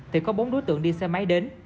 thì có bốn đối tượng đi xe máy đến